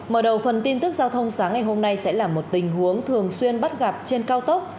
mở đầu phần tin tức giao thông sáng ngày hôm nay sẽ là một tình huống thường xuyên bắt gặp trên cao tốc